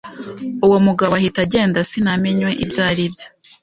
uwo mugabo ahita agenda sinamenya ibyo ari byo